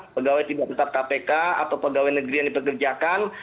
pegawai tidak tetap kpk atau pegawai negeri yang dipekerjakan